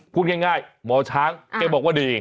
พูดง่ายหมอช้างแกบอกว่าดี